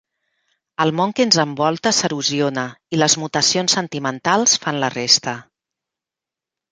El món que ens envolta s'erosiona i les mutacions sentimentals fan la resta.